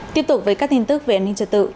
tiếp tục với các tin tức về an ninh trật tự